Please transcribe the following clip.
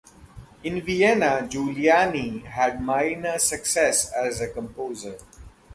In Vienna, Giuliani had minor success as a composer.